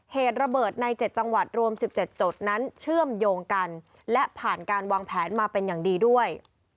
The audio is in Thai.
เหตุระเบิดใน๗จังหวัดรวม๑๗จุดนั้นเชื่อมโยงกันและผ่านการวางแผนมาเป็นอย่างดีด้วย